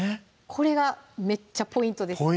これがめっちゃポイントです